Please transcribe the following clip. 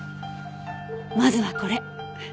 まずはこれ。